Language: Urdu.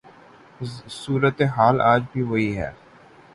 صورت حال آج بھی وہی ہے۔